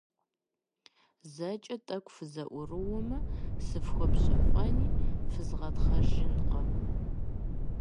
ЗэкӀэ тӀэкӀу фызэӀурыумэ, сыфхуэпщэфӀэнщи, фызгъэтхъэжынкъэ.